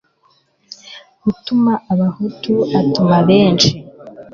utuma abahutu atuma benshi